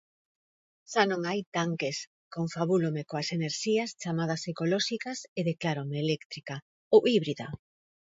Xa non hai tanques, confabúlome coas enerxías chamadas ecolóxicas e declárome eléctrica, ou híbrida.